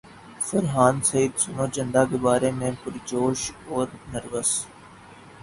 فرحان سعید سنو چندا کے بارے میں پرجوش اور نروس